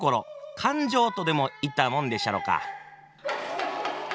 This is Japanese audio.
「感情」とでもいったもんでっしゃろか。